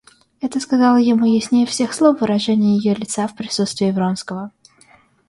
Это сказало ему яснее всех слов выражение ее лица в присутствии Вронского.